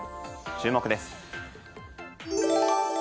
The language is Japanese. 注目です。